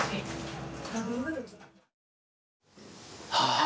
ああ。